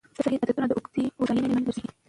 صحي عادتونه د اوږدې هوساینې لامل ګرځي.